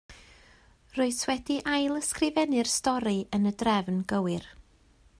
Rwyt wedi ail ysgrifennu'r stori yn y drefn gywir